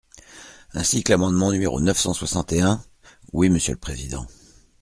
Ainsi que l’amendement numéro neuf cent soixante et un ? Oui, monsieur le président.